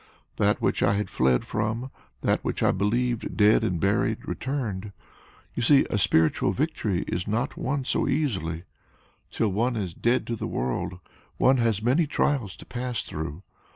That which I had fled from, that which I believed dead and buried, returned. You see a spiritual victory is not won so easily. Till one is 'dead to the world' one has many trials to pass through.